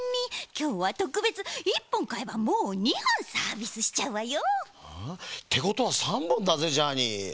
きょうはとくべつ１ぽんかえばもう２ほんサービスしちゃうわよ。ってことは３ぼんだぜジャーニー。